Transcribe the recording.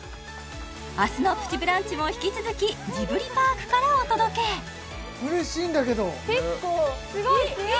明日の「プチブランチ」も引き続きジブリパークからお届け嬉しいんだけどいい！